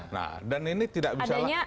nah dan ini tidak ada